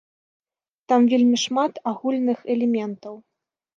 Там вельмі шмат агульных элементаў.